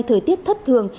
thời tiết thất thường